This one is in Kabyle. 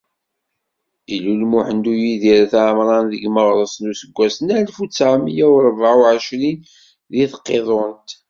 Ilul Muḥend Uyidir Ayt Ɛemran deg meɣres n useggas n alef u tesεemya u rebεa u εecrin deg Tqidunt.